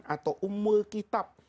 atau ummul kitab